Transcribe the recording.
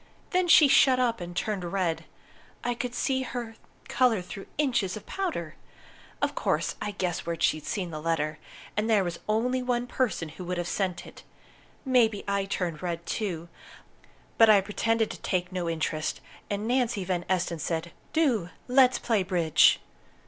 Then she shut up and turned red. I could see her colour through inches of powder! Of course, I guessed where she'd seen the letter. And there was only one person who could have sent it. Maybe I turned red, too. But I pretended to take no interest, and Nancy Van Esten said 'Do let's play bridge!'